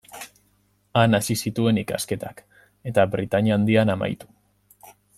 Han hasi zituen ikasketak, eta Britainia Handian amaitu.